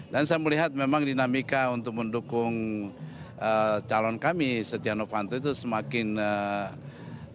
dan saya melihat memang dinamika untuk mendukung calon kami sotiano fanto itu semakin trendnya